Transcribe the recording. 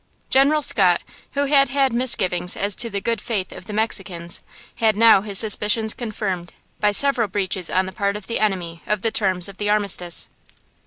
General Scott, who had had misgivings as to the good faith of the Mexicans, had now his suspicions confirmed by several breaches on the part of the enemy of the terms of the armistice.